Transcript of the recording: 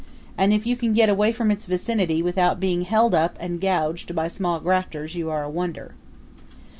And if you can get away from its vicinity without being held up and gouged by small grafters you are a wonder.